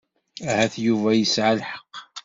Ahat Yuba yesɛa lḥeqq.